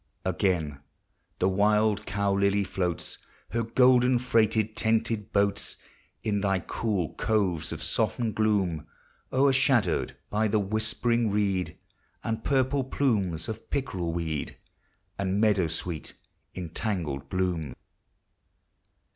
Again the wild cow lily floats Her golden freighted, tented boats In thy cool coves of softened gloom, O'ershadowed by the whispering reed, And purple plumes of pickerel weed, And meadow sweet in tangled bloom.